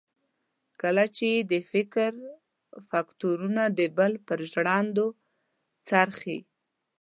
کله چې یې د فکر فکټورنه د بل پر ژرندو څرخي.